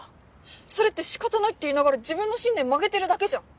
それって仕方ないって言いながら自分の信念曲げてるだけじゃん。